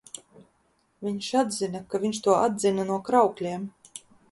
Viņš atzina, ka to viņš atdzina no Kraukļiem.